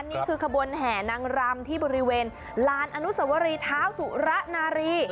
นี่คือขบวนแห่นางรำที่บริเวณลานอนุสวรีเท้าสุระนารี